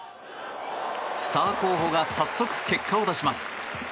スター候補が早速結果を出します。